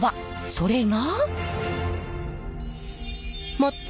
それが。